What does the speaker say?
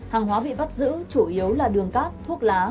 hàng hóa bị bắt giữ chủ yếu là đường cát thuốc lá